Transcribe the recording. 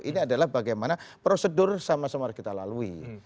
ini adalah bagaimana prosedur sama sama harus kita lalui